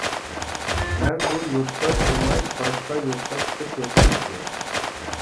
مەن بۇ يۇرتتا تۇرماي باشقا يۇرتقا چىقىپ كەتمەكچى.